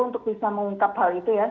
untuk bisa mengungkap hal itu ya